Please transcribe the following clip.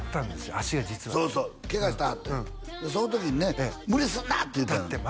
足が実はそうそうケガしてはってんその時にね「無理すんな！」って言うたのだって